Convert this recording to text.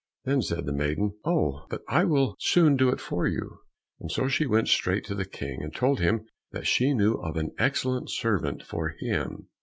Then said the maiden, "Oh, but I will soon do that for you." And so she went straight to the King, and told him that she knew of an excellent servant for him.